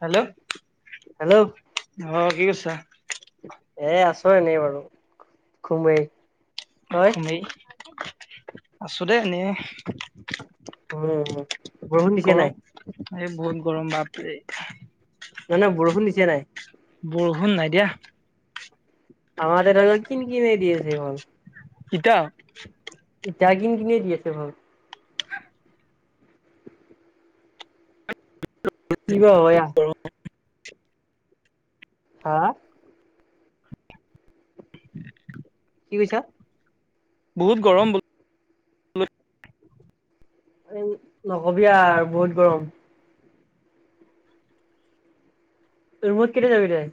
Hello? অ'! Hello কি কৰিছা? এ, আছোঁ এনেই বাৰু। [unintelligible] এই, আছোঁ দেই, এনেই। উম! বৰষুণ দিছে নাই? এ, বহুত গৰম বাপৰে! [unintelligible] বৰষুণ দিছে নাই? বৰষুণ নাই দিয়া। আমাৰ ইয়াতে, কিন-কিননে দি আছে। ইতিয়া? ইতিয়া, কিন-কিনে দি আছে বৰষুণ। কি বা হয়, ইয়াত? হা? কি কৈছ? বহুত গৰম বো নকবি আও, বহুত গৰম! ৰুমত কেতিয়া যাবি তই?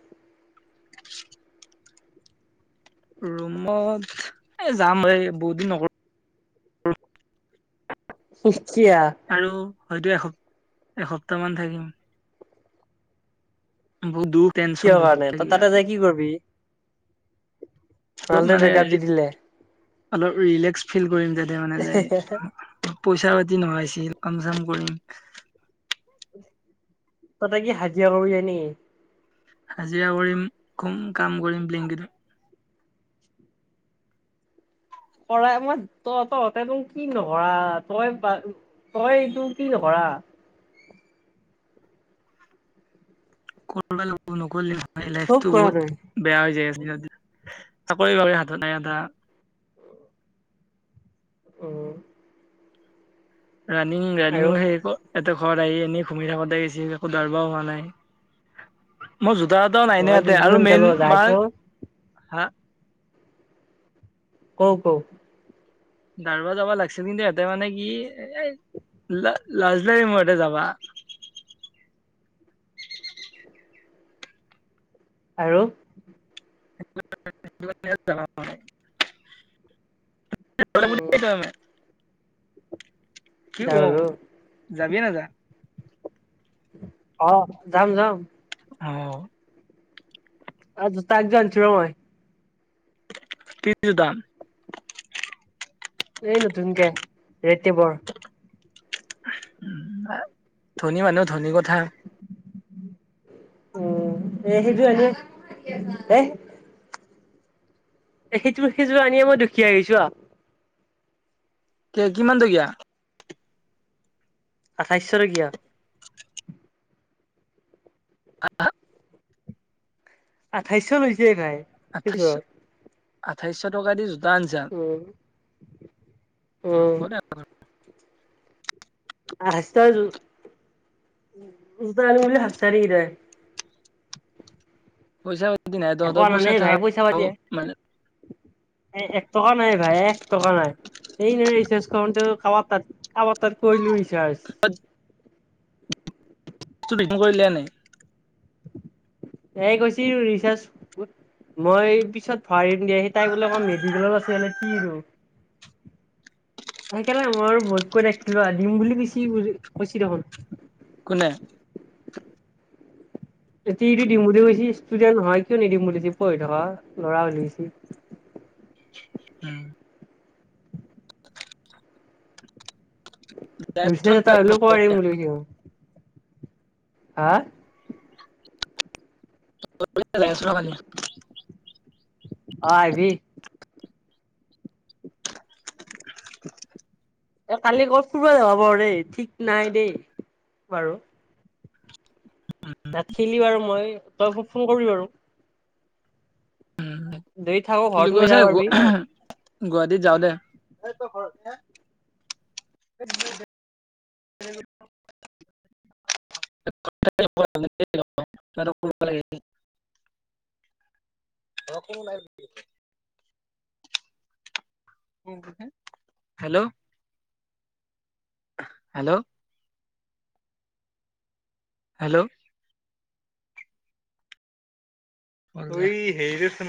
ৰুমত, এ' যাম এই, বহুত দিন নগ [unintelligible] আৰু হয়তো! এসপ্ত, এসপ্তামান থাকিম। বহুত দূৰ কিয় টেনচন, বহুত কাৰণে তই থাকি তাতে আৰু। যাই কি কৰিবি অলপ ৰনাল্ডোই মানে, ব্ৰেকআপ দি দিলে অলপ ৰিলেক্স ফিল কৰিম তাতে মানে যায়। পইচা পাতি নোহোৱা হৈছিল, কাম চাম কৰিম। তাতে কি, হাজিৰা কৰিব যায় নেকি? হাজিৰা কৰিম। খুব কাম কৰিম ব্লিংকিতত। কৰায় মই, ত' তহঁতেনো কি নকৰা? তই তই এইটো, কি নকৰা? [unintelligible] নক'লে চব লাইফটো কৰা বহুত তই বেয়া হৈ যায়। [unintelligible] চাকৰি -বাকৰি হাতত নাই, এটা। অ'! ৰানিং, আৰু ৰানিঙো সেই, ক'! ইহঁতৰ ঘৰত আহি, এনেই ঘুমি থাকোঁতে গৈছি। একো দৌৰিব পোৱা নাই। মই, জোতা এটাও নাই আৰু নিয়া, ইয়াতে। আৰু মেইন মাৰ যাম হা কওঁক, কওঁক? দৌৰিব যাবা লাগিছিল। কিন্তু, ইহঁতে মানে কি, এ, লাজ লাগে মোৰ! ইয়াতে যাবা। আৰু উম [unintelligible] কি যাবলো অ'! যাবি নাযাওঁ? অ'! যাম, যাম। অ'! [unintelligible] [unintelligible] এই, নতুনকে [unintelligible] ধনী মানুহৰ, ধনী কথা। উম! এ, সেইযোৰ এনেই এ, সিটোৰ, সিযোৰ আনিয়ে মই, দুখীয়া হৈ গৈছোঁ। কে, কিমান টকীয়া? আঠাইছশ টকীয়া। [unintelligible] আঠাইশত লৈছে, [unintelligible] আঠাইশত, আঠাইছশ টকা দি, জোতা আনিছা? উম! উম! নকৰে [unintelligible] পইছা পাতি নাই। তহঁতৰ পইছা [unintelligible] মানে। এই, এক টকা নাই ভাই, এক টকা নাই। [unintelligible] ৰিচাৰ্জ কৰোঁটেও, কাৰোবাৰ তাত, কাৰবাৰ তাত কৰিলোঁ ৰিচাৰ্জ। [unintelligible] তাই কৈছে! ৰিচাৰ্জ, মই পিছত ভৰাই দিম। [unintelligible] তাই বোলে, অকণমান মেডিকেলত আছে। তেতিয়া হ'লে [unintelligible] সেইকাৰনে, মই আৰু [unintelligible] দিম বুলি, বুলি কৈছে দেখোন। কোনে? [unintelligible] দিম বুলি কৈছে, ষ্টুডেণ্ট হয়। কিয় নিদিম, বুলি পঢ়ি থকা ল'ৰা বুলি কৈছে। উম! [unintelligible] [unintelligible] অ'! আহিবি? এ, কালি ক'ত ফুৰিব যাবা [unintelligible] ঠিক নাই দেই, বাৰু। নাথাকিলোঁ আৰু মই, তই ফোন কৰি বাৰু? উম! যদি থাক ঘৰত সোমাই যাব পাৰবি [unintelligible] গুৱাহাটীত যাওঁতে। [unintelligible] [inaudible] [unintelligible] [unintelligible] [unintelligible] হেল্ল'? হেল্ল'? হেল্ল'? [unintelligible]